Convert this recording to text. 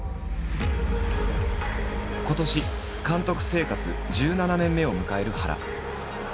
今年監督生活１７年目を迎える原。